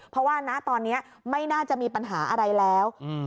เพราะว่าณตอนนี้ไม่น่าจะมีปัญหาอะไรแล้ว